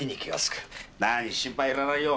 何心配いらないよ。